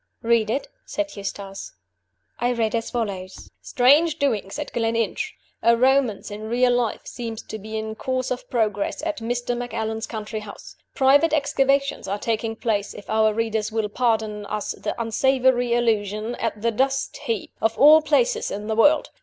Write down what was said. "Read it," said Eustace. I read as follows: "STRANGE DOINGS AT GLENINCH A romance in real life seems to be in course of progress at Mr. Macallan's country house. Private excavations are taking place if our readers will pardon us the unsavory allusion at the dust heap, of all places in the world!